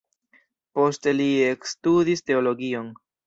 Poste li ekstudis teologion.